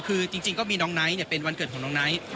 คือจริงก็มีน้องไนท์เป็นวันเกิดของน้องไนท์